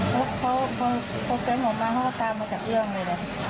แล้วเค้าเซ็นต์หลวงมาห่อตามมันกับเรื่องนึง